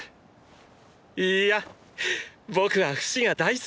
いいや僕はフシが大好きさ。